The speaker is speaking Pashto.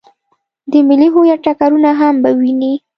د ملي هویت ټکرونه هم په ويني.